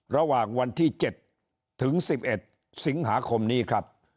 ระหว่างวันที่๗ถึง๑๑สิงหาคมนี้ครับ